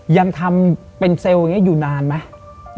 ยังทำเป็นเซลล์อย่างนี้อยู่นานไหม